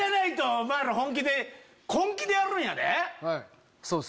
お前ら本気でやるんやで！